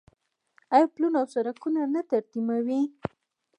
آیا پلونه او سړکونه نه ترمیموي؟